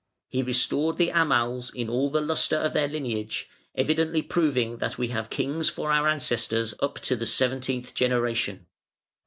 He restored the Amals in all the lustre of their lineage, evidently proving that we have Kings for our ancestors up to the seventeenth generation.